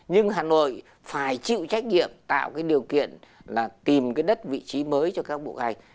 nhưng hà nội phải chịu trách nhiệm tạo cái điều kiện là tìm cái đất vị trí mới cho các bộ ngành